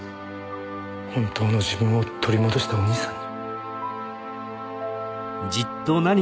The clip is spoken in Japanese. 本当の自分を取り戻したお兄さんに。